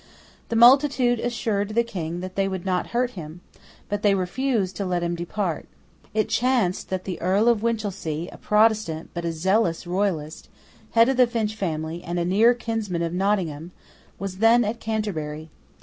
The multitude assured the King that they would not hurt him: but they refused to let him depart. It chanced that the Earl of Winchelsea, a Protestant, but a zealous royalist, head of the Finch family, and a near kinsman of Nottingham, was then at Canterbury.